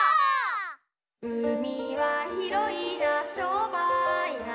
「うみはひろいなしょっぱいな」